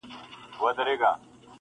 سړي وایې موږکانو دا کار کړﺉ,